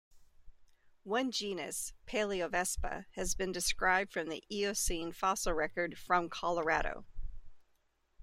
One genus, "Palaeovespa", has been described from the Eocene fossil record, from Colorado.